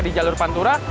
di jalur pantura